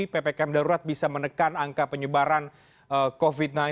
ppkm darurat bisa menekan angka penyebaran covid sembilan belas